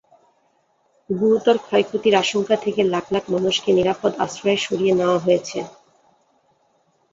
গুরুতর ক্ষয়ক্ষতির আশঙ্কা থেকে লাখ লাখ মানুষকে নিরাপদ আশ্রয়ে সরিয়ে নেওয়া হয়েছে।